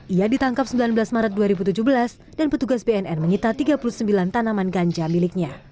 ia ditangkap sembilan belas maret dua ribu tujuh belas dan petugas bnn menyita tiga puluh sembilan tanaman ganja miliknya